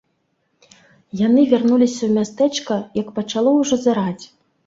Яны вярнуліся ў мястэчка, як пачало ўжо зараць.